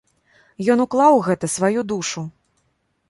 Ён уклаў у гэта сваю душу.